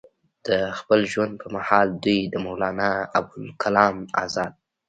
د خپل ژوند پۀ محال دوي د مولانا ابوالکلام ازاد